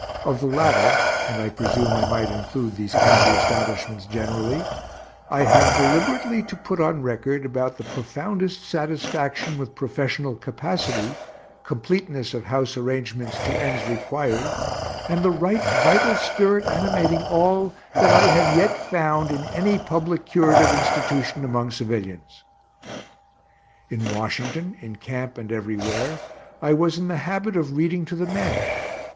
Of the latter (and I presume I might include these county establishments generally) I have deliberately to put on record about the profoundest satisfaction with professional capacity, completeness of house arrangements to ends required, and the right vital spirit animating all, that I have yet found in any public curative institution among civilians. In Washington, in camp and everywhere, I was in the habit of reading to the men.